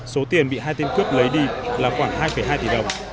số tiền bị hai tên cướp lấy đi là khoảng hai hai tỷ đồng